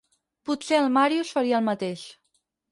Potser el Màrius faria el mateix.